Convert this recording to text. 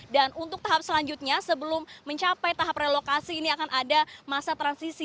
dan untuk tahap selanjutnya sebelum mencapai tahap relokasi ini akan ada masa transisi